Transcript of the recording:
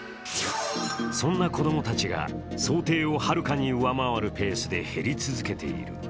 そんな子供たちが想定をはるかに上回るペースで減り続けている。